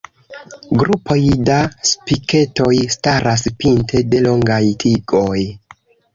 Grupoj da spiketoj staras pinte de longaj tigoj.